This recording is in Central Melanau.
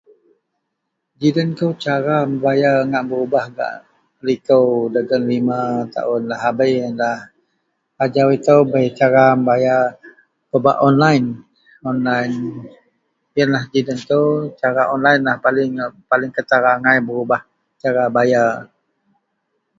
Ji den kou cara mebayar ngak berubah gak likou dagen 5 taun lahabei yenlah. Ajau itou bei cara membayar pebak onlaen, onlaen. Yenlah ji den kou, cara onlaenlah yang paling, paling ketara angai berubah, cara bayar